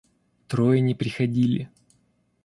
Трое не приходили.